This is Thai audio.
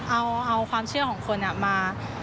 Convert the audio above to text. เอาความเชื่อของคนมา